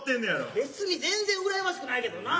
別に全然羨ましくないけどなぁ。